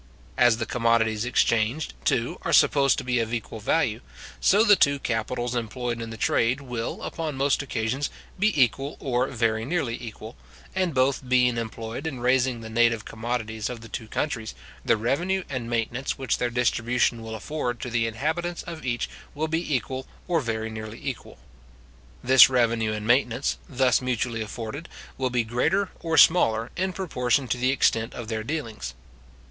As the commodities exchanged, too, are supposed to be of equal value, so the two capitals employed in the trade will, upon most occasions, be equal, or very nearly equal; and both being employed in raising the native commodities of the two countries, the revenue and maintenance which their distribution will afford to the inhabitants of each will be equal, or very nearly equal. This revenue and maintenance, thus mutually afforded, will be greater or smaller, in proportion to the extent of their dealings.